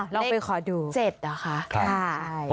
ลองไปขอดูเลข๗หรอคะใช่